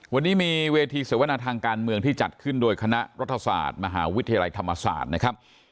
วันนี้มีเวทีเสวนาทางการเมืองที่จัดขึ้นโดยคณะรัฐศาสตร์มหาวิทยาลัยธรรมศาสตร์นะครับ